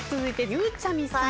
ゆうちゃみちゃん。